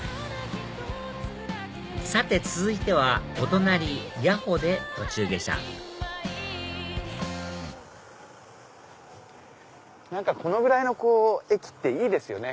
さて続いてはお隣谷保で途中下車このぐらいの駅っていいですね。